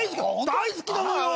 大好きなのよ！」